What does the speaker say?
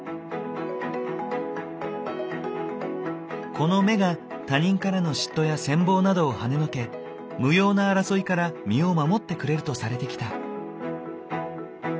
この目が他人からの嫉妬や羨望などをはねのけ無用な争いから身を守ってくれるとされてきた。